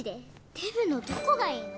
デブのどこがいいの？